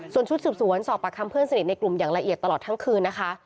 ส่วนชุดสืบสวนสอบปากคำเพื่อนสนิทในกลุ่มอย่างละเอียดตลอดทั้งคืนนะคะ